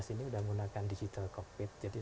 sudah menggunakan digital cockpit jadi